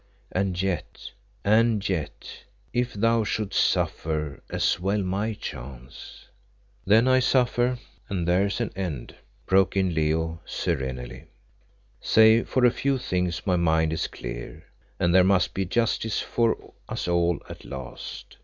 And yet, and yet, if thou shouldst suffer, as well may chance " "Then I suffer, and there's an end," broke in Leo serenely. "Save for a few things my mind is clear, and there must be justice for us all at last.